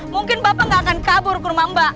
mungkin bapak nggak akan kabur ke rumah mbak